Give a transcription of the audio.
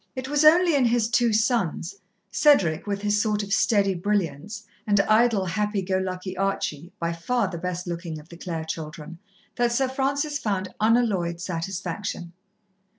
It was only in his two sons Cedric, with his sort of steady brilliance, and idle, happy go lucky Archie, by far the best looking of the Clare children that Sir Francis found unalloyed satisfaction.